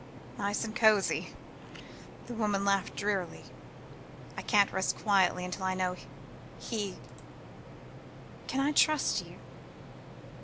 "Nice and cosy?" the woman laughed drearily. "I can't rest quietly until I know: he Can I trust you?"